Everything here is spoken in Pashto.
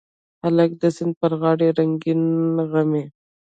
هلک د سیند پر غاړه رنګین غمي